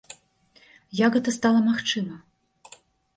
Як гэта стала магчыма?